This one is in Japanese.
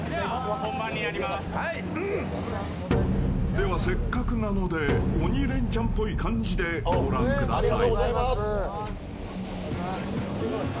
では、せっかくなので「鬼レンチャン」っぽい感じでご覧ください。